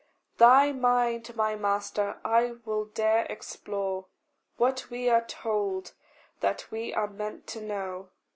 Thy mind, my master, I will dare explore; What we are told, that we are meant to know.